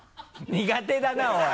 苦手だなおい！